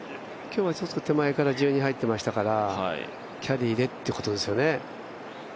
今日はちょっと手前から１２入っていましたから、キャリーでということですよね。